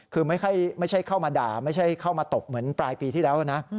คือไม่ใช่เข้ามาด่าไม่ใช่เข้ามาตบเหมือนปลายปีที่แล้วนะ